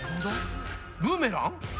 ブーメラン？